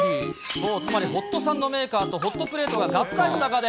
そう、つまりホットサンドメーカーとホットプレートが合体した家電。